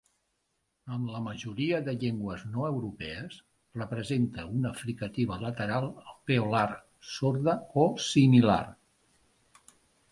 En la majoria de llengües no europees, representa una fricativa lateral alveolar sorda o similar.